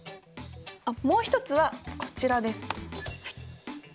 もう一つはこちらです。